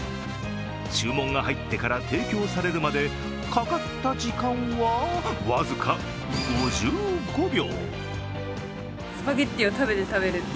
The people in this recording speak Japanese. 注文が入ってから提供されるまでかかった時間は、僅か５５秒。